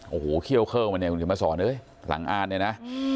โอ้โหเคี่ยวเข้ามาเนี่ยกูถึงมาสอนหลังอ่านเนี่ยนะ